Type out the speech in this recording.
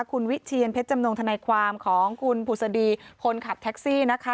คุณวิเทียนเพชรจำนงทนายความของคุณผุศดีคนขับแท็กซี่นะคะ